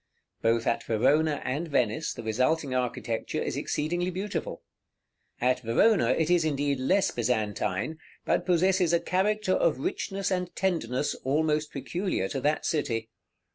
Both at Verona and Venice the resulting architecture is exceedingly beautiful. At Verona it is, indeed, less Byzantine, but possesses a character of richness and tenderness almost peculiar to that city.